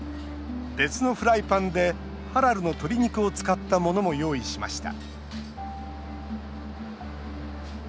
別のフライパンでハラルの鶏肉を使ったものも用意しました